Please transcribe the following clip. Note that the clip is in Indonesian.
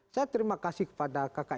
saya terima kasih kepada kakak